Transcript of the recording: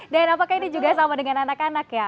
dan apakah ini juga sama dengan anak anak ya